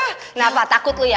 kenapa takut lu ya